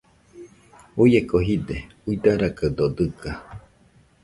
Uieko jide, uidarakaɨdo dɨga.